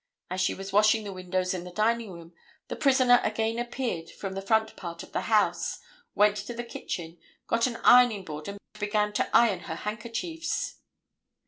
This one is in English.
As she was washing the windows in the dining room the prisoner again appeared from the front part of the house, went to the kitchen, got an ironing board and began to iron her handkerchiefs.